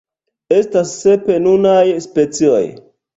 Estas sep nunaj specioj.